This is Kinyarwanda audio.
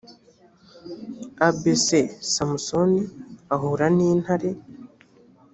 abc samusoni ahura n intare